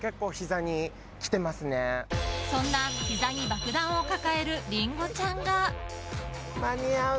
そんな、膝に爆弾を抱えるりんごちゃんが。